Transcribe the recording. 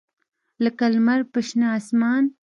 لکه لمر په شنه اسمان